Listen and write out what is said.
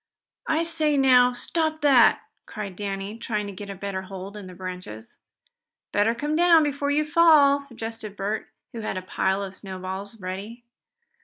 "I say now, stop that!" cried Danny, trying to get a better hold in the branches. "Better come down before you fall," suggested Bert, who had a pile of snowballs ready.